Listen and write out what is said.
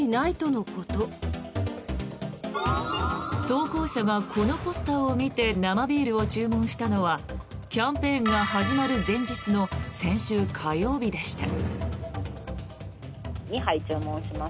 投稿者がこのポスターを見て生ビールを注文したのはキャンペーンが始まる前日の先週火曜日でした。